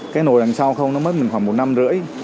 cái nồi đằng sau không nó mất mình khoảng một năm rưỡi